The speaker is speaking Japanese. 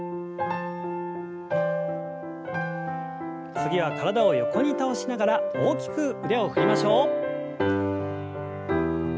次は体を横に倒しながら大きく腕を振りましょう。